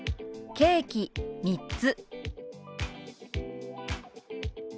「ケーキ３つ」。